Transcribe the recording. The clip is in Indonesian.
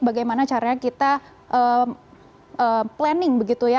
bagaimana caranya kita planning begitu ya